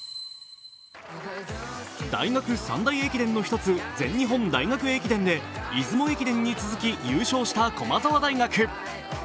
大学三大駅伝の１つ、全日本大学駅伝で、出雲駅伝に続き優勝した駒沢大学。